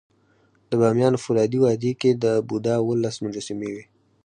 د بامیانو فولادي وادي کې د بودا اوولس مجسمې وې